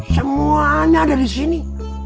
semuanya ada di sini